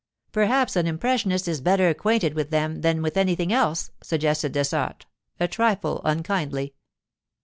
'Perhaps an impressionist is better acquainted with them than with anything else,' suggested Dessart, a trifle unkindly.